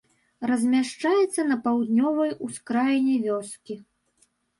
Размяшчаецца на паўднёвай ускраіне вёскі.